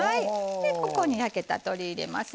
ここに焼けた鶏入れます。